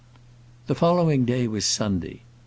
The following day was Sunday.